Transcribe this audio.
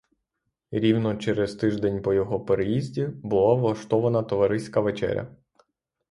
Рівно через тиждень по його переїзді була влаштована товариська вечеря.